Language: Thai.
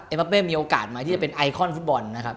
บาเป้มีโอกาสไหมที่จะเป็นไอคอนฟุตบอลนะครับ